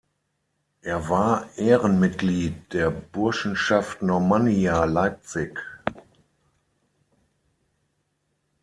Er war Ehrenmitglied der "Burschenschaft Normannia Leipzig".